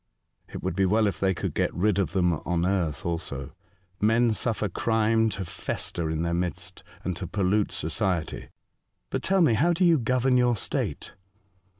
" It would be well if they could get rid of them on earth also. Men suffer crime to fester in their midst, and to pollute society. But tell me how do you govern your state